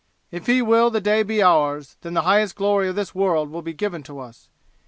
If He will the day be ours, then the highest glory of this world will be given to us.